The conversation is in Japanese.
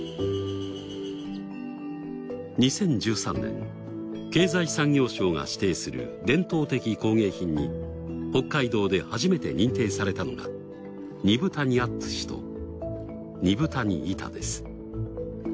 ２０１３年経済産業省が指定する伝統的工芸品に北海道で初めて認定されたのが二風谷アットゥシと二風谷イタです。